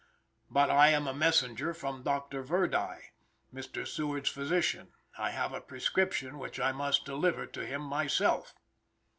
"But I am a messenger from Dr. Verdi, Mr. Seward's physician; I have a prescription which I must deliver to him myself."